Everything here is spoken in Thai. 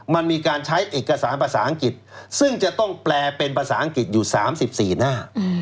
มันมีการใช้เอกสารภาษาอังกฤษซึ่งจะต้องแปลเป็นภาษาอังกฤษอยู่๓๔หน้า